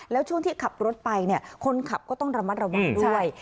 แล้วช่วงที่ขับรถไปคนขับก็ต้องระมัดระวังด้วย